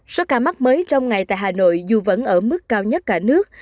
số ca mắc mới trong ngày tại hà nội dù vẫn ở mức cao nhất cả nước